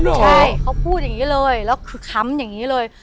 ใช่เขาพูดอย่างนี้เลยแล้วคือค้ำอย่างนี้เลย